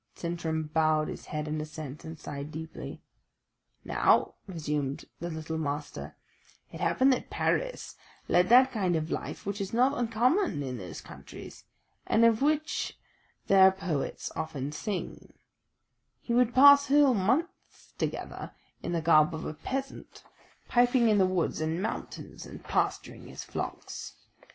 '" Sintram bowed his head in assent, and sighed deeply. "Now," resumed the little Master, "it happened that Paris led that kind of life which is not uncommon in those countries, and of which their poets often sing he would pass whole months together in the garb of a peasant, piping in the woods and mountains and pasturing his flocks.